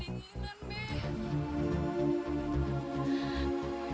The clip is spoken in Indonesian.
jangan sampai anak lo celaka